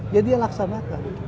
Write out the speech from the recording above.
ya dia laksanakan